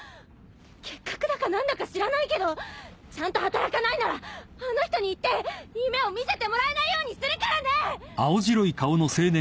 結核だか何だか知らないけどちゃんと働かないならあの人に言って夢を見せてもらえないようにするからね！